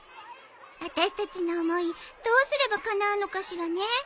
あたしたちの思いどうすればかなうのかしらね。